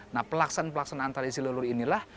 nah pelaksanaan pelaksanaan tradisi leluhur inilah